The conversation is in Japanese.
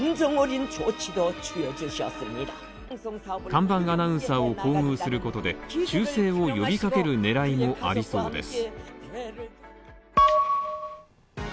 看板アナウンサーを厚遇することで忠誠を呼びかける狙いもありそうです。